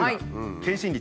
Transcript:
検診率。